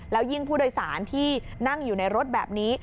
แล้วยิ่งผู้โดยสารที่นั่งอยู่ในรถแบบนี้